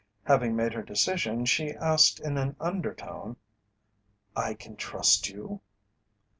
Having made her decision she asked in an undertone: "I can trust you?"